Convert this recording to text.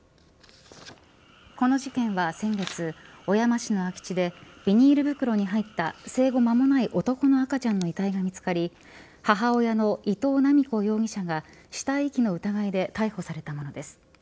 この事件は先月小山市の空き地でビニール袋に入った生後間もない男の赤ちゃんの遺体が見つかり母親の伊藤七美子容疑者が死体遺棄の疑いで逮捕されたものです。